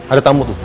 ada tamu tuh